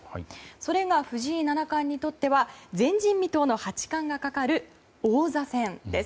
それが藤井七冠にとっては前人未到の八冠がかかる王座戦です。